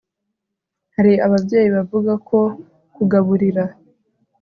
Hari ababyeyi bavuga ko kugaburira